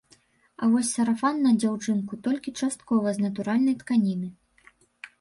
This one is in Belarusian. А вось сарафан на дзяўчынку толькі часткова з натуральнай тканіны.